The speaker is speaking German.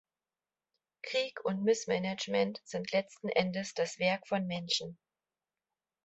Krieg und Missmanagement sind letzten Endes das Werk von Menschen.